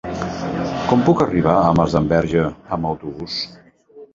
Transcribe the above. Com puc arribar a Masdenverge amb autobús?